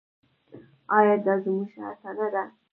آیا دا زموږ هڅه نه ده؟